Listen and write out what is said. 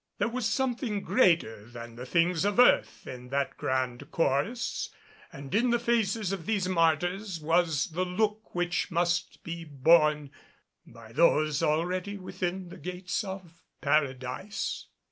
There was something greater than the things of earth in that grand chorus, and in the faces of these martyrs was the look which must be borne by those already within the gates of Paradise.